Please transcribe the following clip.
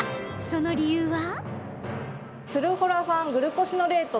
その理由は。